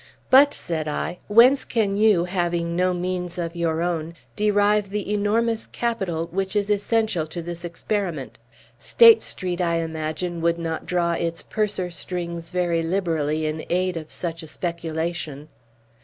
"But," said I, "whence can you, having no means of your own, derive the enormous capital which is essential to this experiment? State Street, I imagine, would not draw its purser strings very liberally in aid of such a speculation."